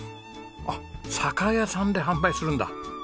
あっ酒屋さんで販売するんだ。